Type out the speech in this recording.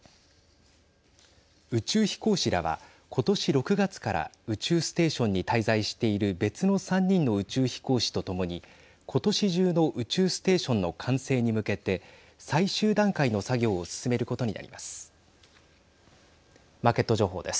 宇宙飛行士らは今年６月から宇宙ステーションに滞在している別の３人の宇宙飛行士と共に今年中の宇宙ステーションの完成に向けて最終段階の作業を進めることになります。